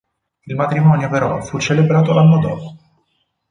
Il matrimonio però fu celebrato l'anno dopo.